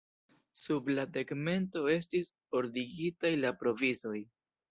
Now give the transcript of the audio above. Sub la tegmento estis ordigitaj la provizoj.